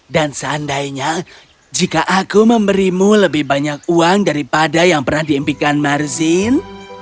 dan seandainya jika aku memberimu lebih banyak uang daripada yang pernah diempikan marzin